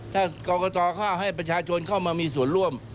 ถ้ากรกตเขาให้ประชาชนเข้ามามีส่วนร่วม